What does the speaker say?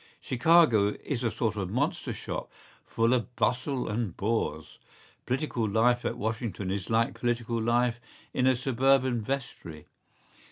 ¬Ý Chicago is a sort of monster shop, full of bustle and bores.¬Ý Political life at Washington is like political life in a suburban vestry.